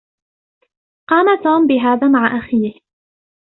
قام توم بهذا مع أخيه.